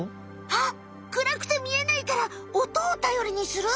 あっ暗くて見えないからおとをたよりにする？